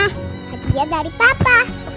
hadiah dari papa